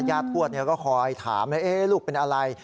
ย่าทวชเนี่ยก็คอยถามเอ๊ะลูกเป็นอะไร